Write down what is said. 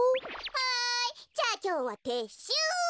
はいじゃあきょうはてっしゅう。